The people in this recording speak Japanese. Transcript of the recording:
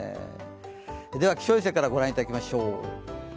では気象衛星からご覧いただきましょう。